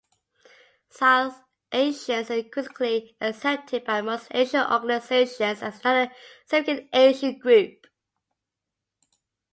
South Asians are increasingly accepted by most Asian organizations as another significant Asian group.